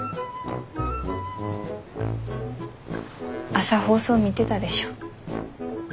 朝放送見てたでしょ。